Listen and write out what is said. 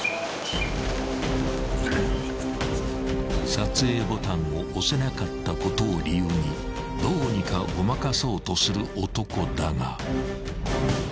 ［撮影ボタンを押せなかったことを理由にどうにかごまかそうとする男だが］